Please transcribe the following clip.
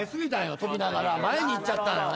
跳びながら前にいっちゃった。